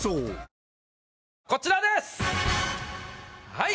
はい！